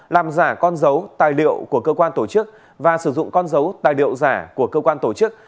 làm giả con dấu tài liệu của cơ quan tổ chức và sử dụng con dấu tài liệu giả của cơ quan tổ chức